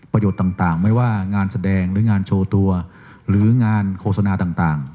ต่างไม่ว่างานแสดงหรืองานโชว์ตัวหรืองานโฆษณาต่าง